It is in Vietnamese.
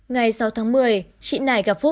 ngày sáu tháng một mươi chị này gặp phúc